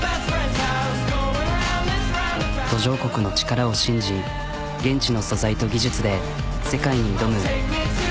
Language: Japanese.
途上国の力を信じ現地の素材と技術で世界に挑む。